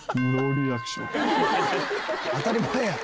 「当たり前や！」